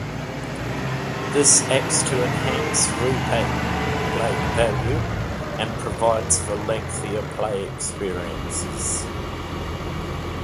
This acts to enhance replay value, and provides for lengthier play experience.